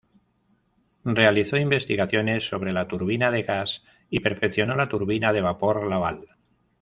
Realizó investigaciones sobre la turbina de gas y perfeccionó la turbina de vapor Laval.